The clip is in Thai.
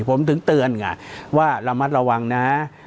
ผมถึงเตือนไงว่าระมัดระวังนะ